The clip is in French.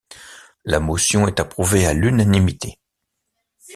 La motion est approuvée à l'unanimité.